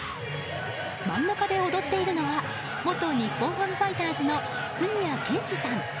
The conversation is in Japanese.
真ん中で踊っているのは元日本ハムファイターズの杉谷拳士さん。